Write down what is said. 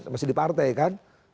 masih di partai kan